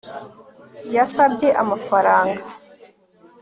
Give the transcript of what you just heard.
Yasabye amafaranga